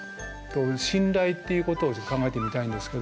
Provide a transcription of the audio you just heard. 「信頼」っていうことをちょっと考えてみたいんですけど。